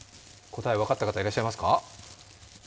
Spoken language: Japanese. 答え、分かった方いらっしゃいますか？